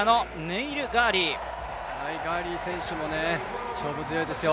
ガーリー選手も勝負強いですよ。